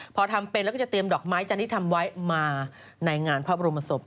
พอทำเป็นแล้วก็จะเตรียมดอกไม้จันทร์ที่ทำไว้มาในงานพระบรมศพ